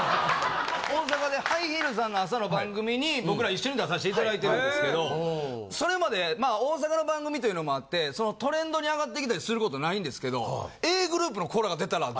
大阪でハイヒールさんの朝の番組に僕ら一緒に出さして頂いてるんですけどそれまでまあ大阪の番組というのもあってトレンドに上がってきたりする事ないんですけど。